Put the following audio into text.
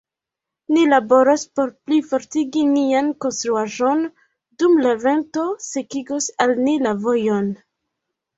Ni laboros por plifortigi nian konstruaĵon, dum la vento sekigos al ni la vojon.